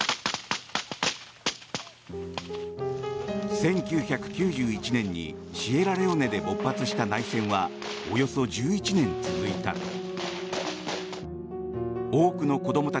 １９９１年にシエラレオネで勃発した内戦はおよそ１１年続いた。